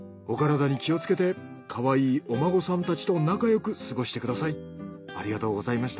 お体に気をつけてかわいいお孫さんたちと仲良く過ごしてください。